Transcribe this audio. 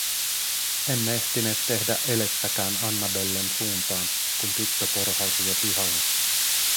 Emme ehtineet tehdä elettäkään Annabellen suuntaan, kun tyttö porhalsi jo pihalle.